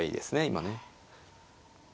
今ね。